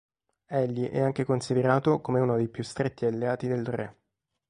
Egli è anche considerato come uno dei più stretti alleati del Re.